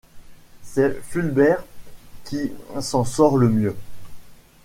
C’est Fulbert qui s’en sort le mieux.